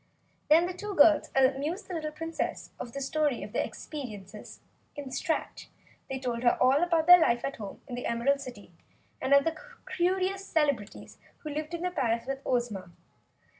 Then the two girls amused the little Princess with the story of their experiences in the Strat. They told her all about their life at home in the Emerald City, and of the curious celebrities who lived in the palace with Ozma.